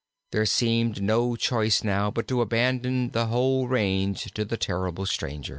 There seemed no choice now but to abandon the whole range to the terrible stranger.